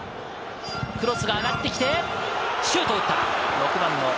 クロスが上がってきて、シュートを打った。